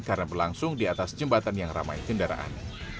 karena berlangsung di atas jembatan yang ramai kendaraan